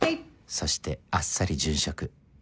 そしてあっさり殉職